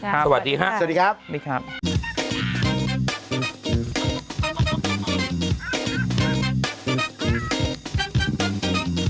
สวัสดีครับ